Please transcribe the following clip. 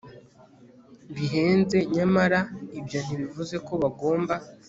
bihenze nyamara ibyo ntibivuze ko bagomba